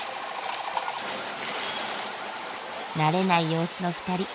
慣れない様子の２人。